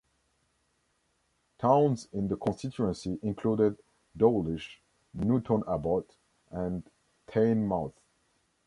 Towns in the constituency included Dawlish, Newton Abbot and Teignmouth.